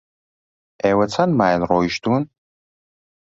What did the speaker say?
ئێوە چەند مایل ڕۆیشتوون؟